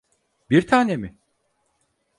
Bir tane mi?